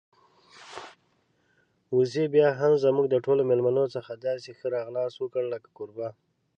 وزې بيا هم زموږ د ټولو میلمنو څخه داسې ښه راغلاست وکړ لکه کوربه.